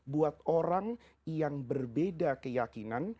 buat orang yang berbeda keyakinan